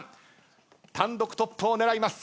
単独トップを狙います。